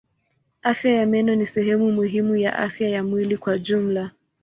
Afya ya meno ni sehemu muhimu ya afya ya mwili kwa jumla.